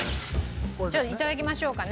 じゃあ頂きましょうかね。